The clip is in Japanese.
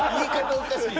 おかしいよ。